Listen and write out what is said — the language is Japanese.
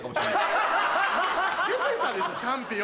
出てたでしょチャンピオン。